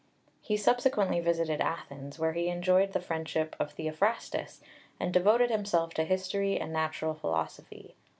He subsequently visited Athens, where he enjoyed the friendship of Theophrastus, and devoted himself to history and natural philosophy.